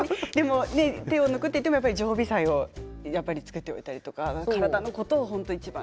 手を抜くといっても常備菜を作っておいたり体のことを本当にいちばん。